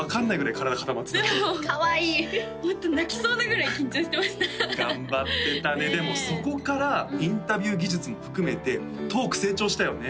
体固まってたもうホント泣きそうなぐらい緊張してました頑張ってたねでもそこからインタビュー技術も含めてトーク成長したよね